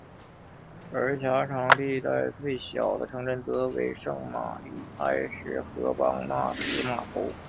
而狭长地带最小的城镇则为圣玛里埃什和邦纳斯码头。